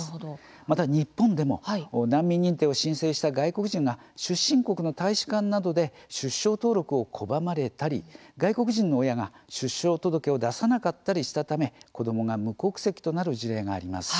また、日本でも難民認定を申請した外国人が出身国の大使館などで出生登録を拒まれたり外国人の親が出生届を出さなかったりしたため子どもが無国籍となる事例があります。